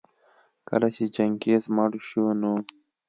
کله چي چنګېز مړ شو نو